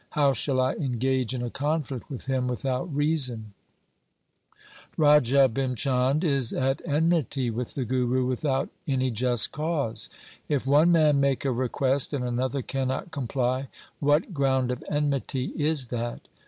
How shall I engage in a conflict with him without reason ? Raja Bhim Chand is at enmity with the Guru with out any just cause. If one man make a request and another cannot comply, what ground of enmity is that